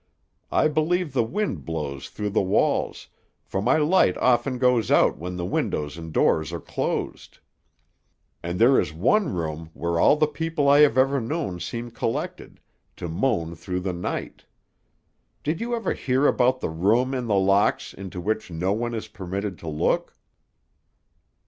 I believe the wind blows through the walls, for my light often goes out when the windows and doors are closed; and there is one room where all the people I have ever known seem collected, to moan through the night. Did you ever hear about the room in The Locks into which no one is permitted to look?"